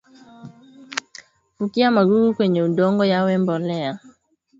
Fukia magugu kwenye udongo yawe mbolea